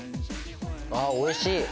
あ、おいしい！